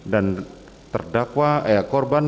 dan terdakwa eh korban